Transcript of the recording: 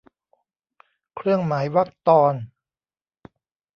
เครื่องหมายวรรคตอน